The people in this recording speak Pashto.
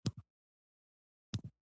هر څومره چې پانګه ډېره وده وکړي